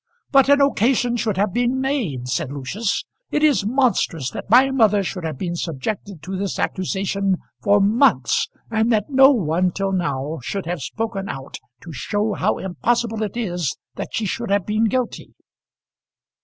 "But an occasion should have been made," said Lucius. "It is monstrous that my mother should have been subjected to this accusation for months and that no one till now should have spoken out to show how impossible it is that she should have been guilty."